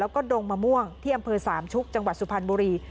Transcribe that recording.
แล้วก็ดงมะม่วงที่อำเภอสามชุกจังหวัดสุพรรณบุรี